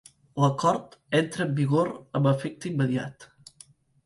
L'acord entra en vigor amb efecte immediat.